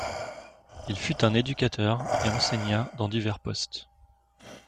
Il fut un éducateur et enseigna dans divers postes.